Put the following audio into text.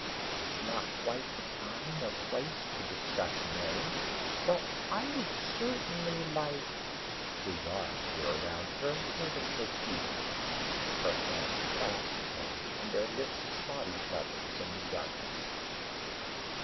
It's not quite the time or the place to discuss marriage, but I would certainly like " His arms were around her, holding her to him. Her hands clasped him and their lips sought each other's in the darkness.